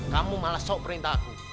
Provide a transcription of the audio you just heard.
kamu malah sok perintah aku